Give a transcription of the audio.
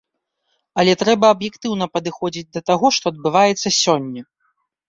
Але трэба аб'ектыўна падыходзіць да таго, што адбываецца сёння.